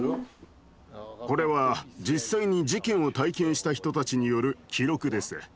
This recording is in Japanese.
これは実際に事件を体験した人たちによる記録です。